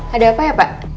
ada apa ya pak